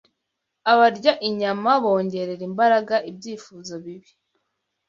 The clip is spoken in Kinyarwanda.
Abarya inyama bongerera imbaraga ibyifuzo bibi